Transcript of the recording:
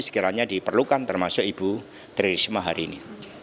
sekiranya diperlukan termasuk ibu tri risma harini